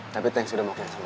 tapi thanks udah makin sama gue